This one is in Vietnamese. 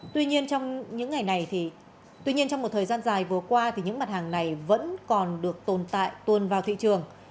tuy nhiên trong một thời gian dài vừa qua những mặt hàng này vẫn còn được tồn tại tuôn vào thị trường